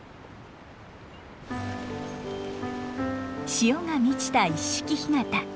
潮が満ちた一色干潟。